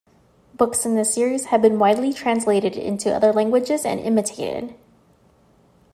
Books in the series have been widely translated into other languages and imitated.